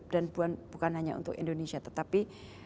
dan bukan hanya untuk indonesia tetapi